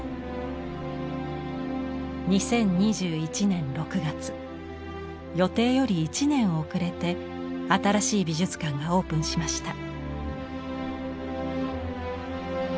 ２０２１年６月予定より１年遅れて新しい美術館がオープンしました。